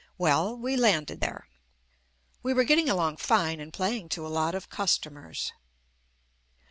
Well, we landed there. We were get ting along fine and playing to a lot of cus tomers.